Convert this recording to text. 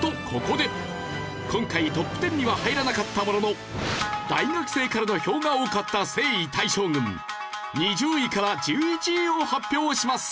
今回トップ１０には入らなかったものの大学生からの票が多かった征夷大将軍２０位から１１位を発表します。